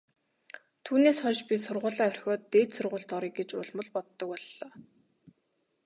Түүнээс хойш би сургуулиа орхиод дээд сургуульд оръё гэж улам ч боддог боллоо.